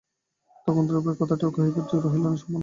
তখন ধ্রুবের আর কথাটি কহিবার জো রহিল না, সম্পূর্ণ হার হইল।